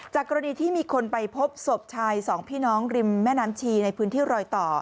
กรณีที่มีคนไปพบศพชายสองพี่น้องริมแม่น้ำชีในพื้นที่รอยต่อ